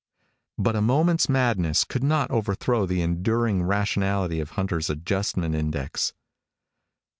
But a moment's madness could not overthrow the enduring rationality of Hunter's adjustment index.